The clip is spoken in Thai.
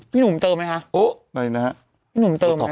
พี่หนุ่มเติมไหมคะพี่หนุ่มเติมไหมคะพี่หนุ่มเติมไหมคะ